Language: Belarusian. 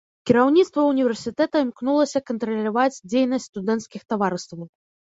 Кіраўніцтва ўніверсітэта імкнулася кантраляваць дзейнасць студэнцкіх таварыстваў.